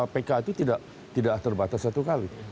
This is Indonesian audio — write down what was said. pk itu tidak terbatas satu kali